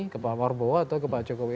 ke pak prabowo atau ke pak jokowi